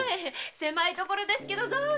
狭い所ですけどどうぞ！